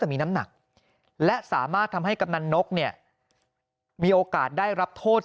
มีน้ำหนักและสามารถทำให้กำนันนกเนี่ยมีโอกาสได้รับโทษ